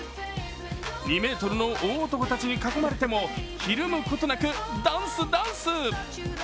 ２ｍの大男たちに囲まれてもひるむことなくダンス、ダンス！